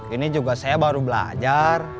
ini juga saya baru belajar